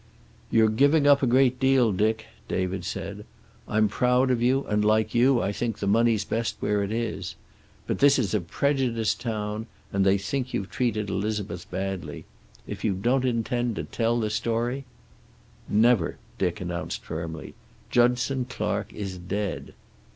"You're giving up a great deal, Dick," David said. "I'm proud of you, and like you I think the money's best where it is. But this is a prejudiced town, and they think you've treated Elizabeth badly. If you don't intend to tell the story " "Never," Dick announced, firmly. "Judson Clark is dead."